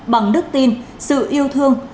bằng đức tin sự yêu thương